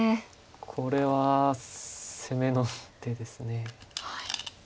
これは攻めの手です。